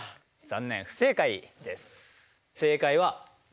残念不正解です。